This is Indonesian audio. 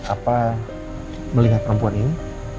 apa melihat perempuan ini